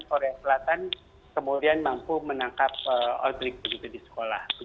korea selatan kemudian mampu menangkap outbreak begitu di sekolah